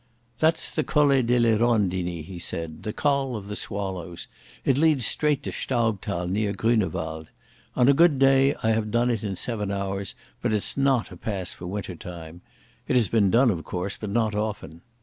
"That's the Colle delle Rondini," he said, "the Col of the Swallows. It leads straight to the Staubthal near Grünewald. On a good day I have done it in seven hours, but it's not a pass for winter time. It has been done of course, but not often....